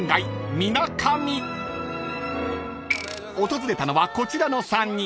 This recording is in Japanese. ［訪れたのはこちらの３人］